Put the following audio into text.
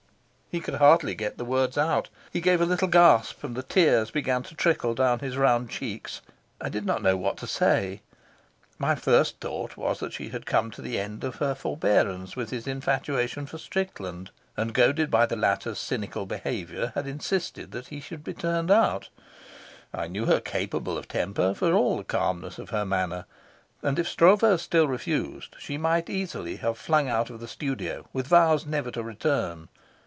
He could hardly get the words out. He gave a little gasp, and the tears began to trickle down his round cheeks. I did not know what to say. My first thought was that she had come to the end of her forbearance with his infatuation for Strickland, and, goaded by the latter's cynical behaviour, had insisted that he should be turned out. I knew her capable of temper, for all the calmness of her manner; and if Stroeve still refused, she might easily have flung out of the studio with vows never to return.